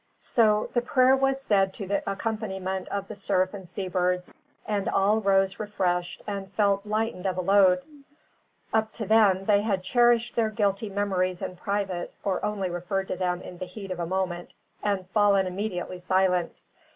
So the prayer was said to the accompaniment of the surf and seabirds, and all rose refreshed and felt lightened of a load. Up to then, they had cherished their guilty memories in private, or only referred to them in the heat of a moment and fallen immediately silent.